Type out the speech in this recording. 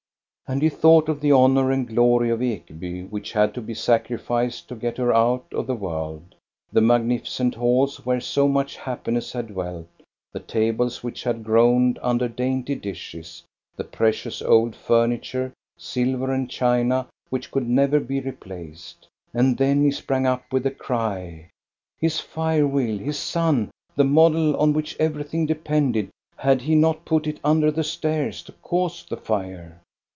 And he thought of the honor and glory of Ekeby which had had to be sacrificed to get her out of the world, — the magnificent halls, where so much hap piness had dwelt, the tables which had groaned under dainty dishes, the precious old furniture, silver and china, which could never be replaced — And then he sprang up with a cry. His fire wheel, his sun, the model on which everything depended, had he not put it under the stairs to cause the fire